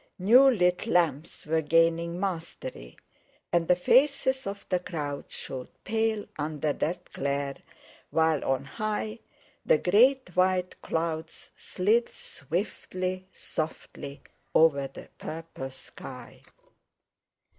New lighted lamps were gaining mastery, and the faces of the crowd showed pale under that glare, while on high the great white clouds slid swiftly, softly, over the purple sky.